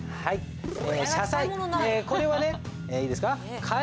これはねいいですか？